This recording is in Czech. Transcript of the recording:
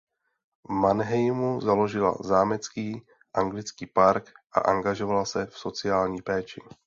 V Mannheimu založila zámecký anglický park a angažovala se v sociální péči.